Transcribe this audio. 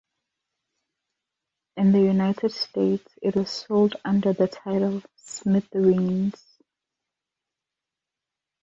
In the United States, it was sold under the title Smithereens!